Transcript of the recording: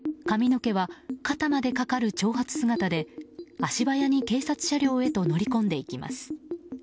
髪の毛は肩までかかる長髪姿で足早に警察車両へと乗り込んでいきます。